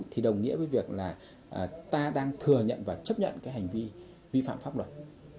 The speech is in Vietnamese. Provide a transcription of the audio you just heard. thì đồng nghĩa với việc là ta đang thừa nhận và chấp nhận cái hành vi vi phạm pháp luật